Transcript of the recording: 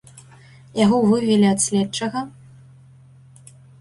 Яго вывелі ад следчага.